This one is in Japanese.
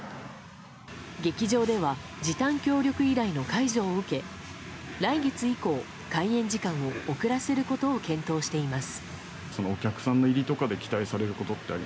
劇場では時短協力依頼の解除を受け来月以降、開演時間を遅らせることを検討しています。